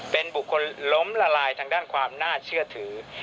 เป็นบุคคลล้มละลายทางด้านความน่าเชื่อถือ